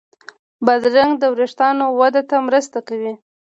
بادرنګ د وېښتانو وده ته مرسته کوي.